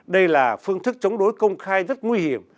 đây là phương thức chống đối công khai rất nguy hiểm